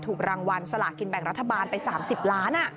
ถูกรางวัลสลากินแบ่งรัฐบาลไป๓๐ล้าน